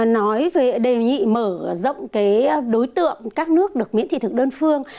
nói về đề nghị mở rộng đối tượng các nước được miễn thị thực đơn phương